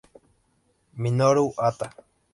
Minoru Hata